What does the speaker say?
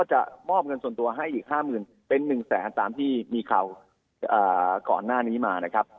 ให้อีก๕๐๐๐๐เป็น๑๐๐๐๐๐ตามที่มีเขาก่อนหน้านี้มานะครับ